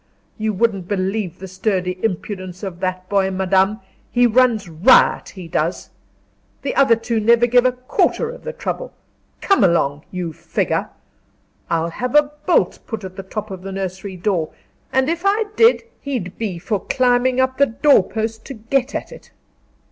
You wouldn't believe the sturdy impudence of that boy, madame; he runs riot, he does. The other two never gave a quarter of the trouble. Come along, you figure! I'll have a bolt put at the top of the nursery door; and if I did, he'd be for climbing up the door post to get at it."